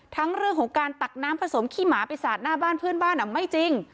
ทั้งเรื่องของการตักน้ำผสมขี้หมาไปสาดหน้าบ้านเพื่อนบ้านไม่จริง